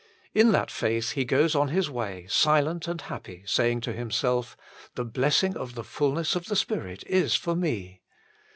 In that faith he goes on his way, silent and happy, saying to himself :" The blessing of the fulness of the Spirit is for me."